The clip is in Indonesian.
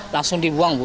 langsung dibuang bu